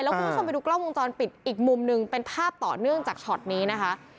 คุณผู้ชมไปดูกล้องวงจรปิดอีกมุมหนึ่งเป็นภาพต่อเนื่องจากช็อตนี้นะคะ